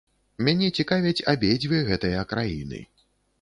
Мяне цікавяць абедзве гэтыя краіны.